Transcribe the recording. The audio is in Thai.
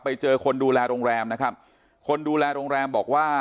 ไปเจอคนดูแลโรงแรมนะครับคนดูแลโรงแรมบอกว่า